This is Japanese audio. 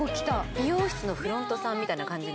美容室のフロントさんみたいな感じの。